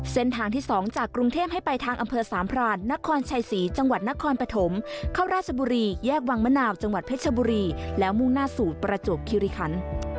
เส้นทางที่๒จากกรุงเทพให้ไปทางอำเภอสามพรานนครชัยศรีจังหวัดนครปฐมเข้าราชบุรีแยกวังมะนาวจังหวัดเพชรบุรีแล้วมุ่งหน้าสู่ประจวบคิริคัน